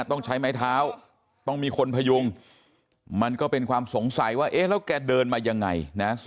ต้องใช้ไม้เท้าต้องมีคนพยุงมันก็เป็นความสงสัยว่าเอ๊ะแล้วแกเดินมายังไงนะ